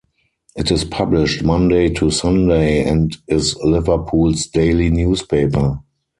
It is published Monday to Sunday, and is Liverpool's daily newspaper.